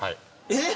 えっ？